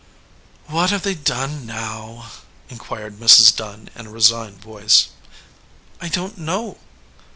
"What have they done now?" inquired Mrs. Dunn in a resigned voice. "I don t know."